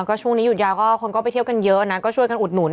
ก็ช่วงนี้หยุดยาวก็คนก็ไปเที่ยวกันเยอะนะก็ช่วยกันอุดหนุน